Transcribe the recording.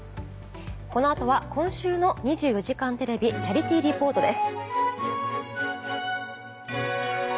この後は今週の「２４時間テレビチャリティー・リポート」です。